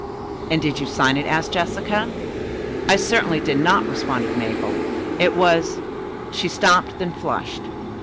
"And did you sign it?" asked Jessica. "I certainly did not," responded Mabel. "It was " she stopped, then flushed.